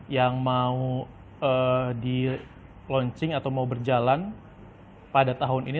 yang mau di launching atau mau berjalan pada tahun ini